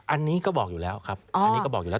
อันนี้ก็บอกอยู่แล้วครับอันนี้ก็บอกอยู่แล้ว